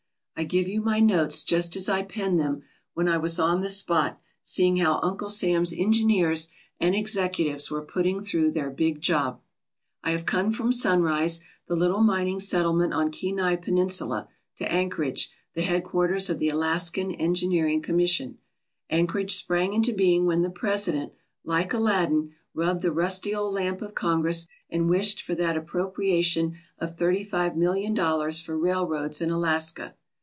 I give you my notes just as I penned them when I 273 ALASKA OUR NORTHERN WONDERLAND was on the spot, seeing how Uncle Sam's engineers and executives were putting through their big job : I have come from Sunrise, the little mining settlement on Kenai Peninsula, to Anchorage, the headquarters of the Alaskan Engineering Commission. Anchorage sprang into being when the President, like Aladdin, rubbed the rusty old lamp of Congress and wished for that appropria tion of thirty five million dollars for railroads in Alaska.